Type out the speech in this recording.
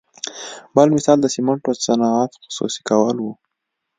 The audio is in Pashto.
بل مثال د سمنټو صنعت خصوصي کول وو.